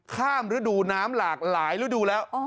ข้ามฤดูน้ำหลากหลายฤดูแล้ว